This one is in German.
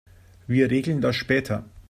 Wir regeln das später.